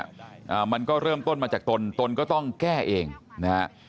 อ่ามันก็เริ่มต้นมาจากตนตนก็ต้องแก้เองนะฮะ